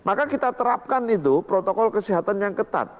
maka kita terapkan itu protokol kesehatan yang ketat